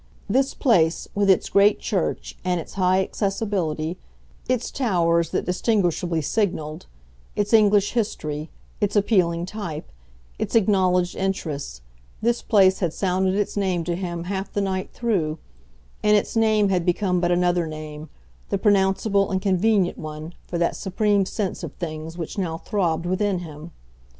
This place, with its great church and its high accessibility, its towers that distinguishably signalled, its English history, its appealing type, its acknowledged interest, this place had sounded its name to him half the night through, and its name had become but another name, the pronounceable and convenient one, for that supreme sense of things which now throbbed within him.